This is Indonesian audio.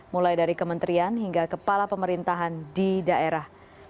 mulai dari kementerian hingga kepala pemerintahan di daerah